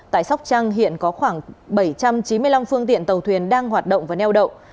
tại sóc trăng hiện có khoảng bảy trăm chín mươi năm phương tiện tàu thuyền đang hoạt động và neo đậu